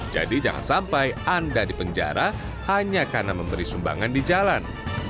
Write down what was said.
jadi jangan sampai anda dipenjara hanya karena memberi sumbangan di jalan